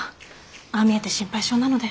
ああ見えて心配性なので。